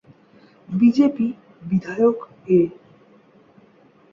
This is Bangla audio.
বিজেপি বিধায়ক এ।